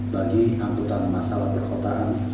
bagi angkutan masalah perkotaan